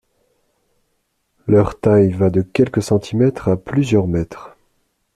Leur taille va de quelques centimètres à plusieurs mètres.